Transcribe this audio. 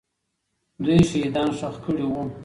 دوی شهیدان ښخ کړي وو.